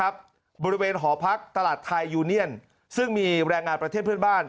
บริเวณหอพักตลาดไทยยูเนียนซึ่งมีแรงงานประเทศเพื่อนบ้าน